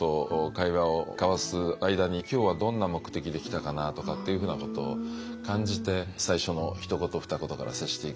会話を交わす間に今日はどんな目的で来たかなとかっていうふうなことを感じて最初のひと言ふた言から接していくっていうことなんですね。